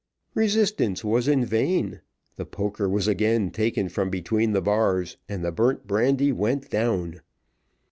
Resistance was in vain, the poker was again taken from between the bars, and the burnt brandy went down.